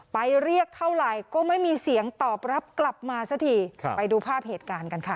เรียกเท่าไหร่ก็ไม่มีเสียงตอบรับกลับมาสักทีไปดูภาพเหตุการณ์กันค่ะ